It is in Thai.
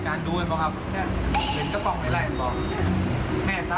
กล้องรึ